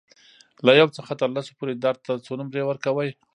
له یو څخه تر لسو پورې درد ته څو نمرې ورکوئ؟